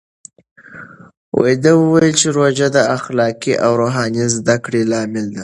ده وویل چې روژه د اخلاقي او روحاني زده کړې لامل ده.